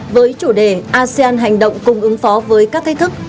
với chủ đề asean hành động cùng ứng phó với các thách thức